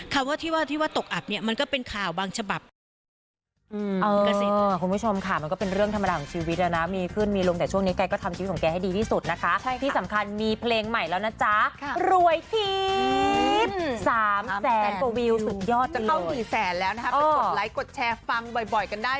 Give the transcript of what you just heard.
คำว่าที่ว่าตกอับมันก็เป็นข่าวบางฉบับ